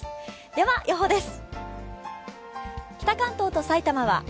では、予報です。